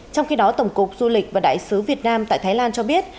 trong khi đó tổng cục du lịch và đại sứ việt nam tại thái lan cho biết